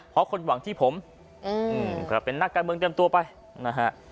เพราะคนหวังที่ผมอืมเพราะเป็นนักการเมืองเต็มตัวไปนะฮะ